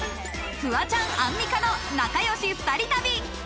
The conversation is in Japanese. フワちゃんアンミカの仲良し２人旅。